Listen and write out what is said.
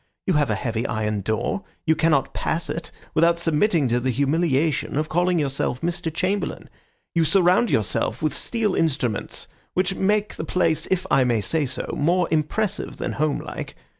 You have a heavy iron door. You cannot pass it without submitting to the humiliation of calling yourself Mr. Chamberlain. You surround yourself with steel instruments which make the place, if I may say so, more impressive than homelike.